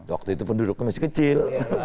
waktu itu penduduknya masih kecil